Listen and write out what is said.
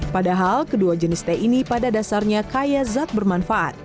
padahal kedua jenis teh ini pada dasarnya kaya zat bermanfaat